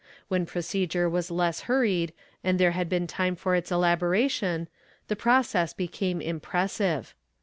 When procedure was less hurried and there had been time for its elaboration, the process became impressive.